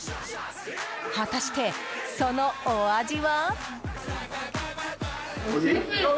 果たしてそのお味は？